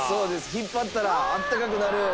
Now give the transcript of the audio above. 引っ張ったらあったかくなる。